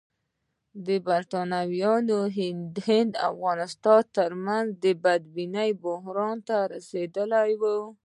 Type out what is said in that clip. د برټانوي هند او افغانستان ترمنځ بدبیني بحران ته رسېدلې وه.